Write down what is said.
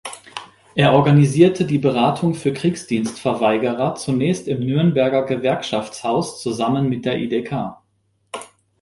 Er organisierte die Beratung für Kriegsdienstverweigerer zunächst im Nürnberger Gewerkschaftshaus zusammen mit der IdK.